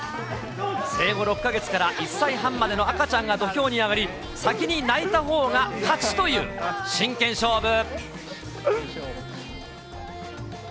生後６か月から１歳半までの赤ちゃんが土俵に上がり、先に泣いたほうが勝ちという、真剣勝負。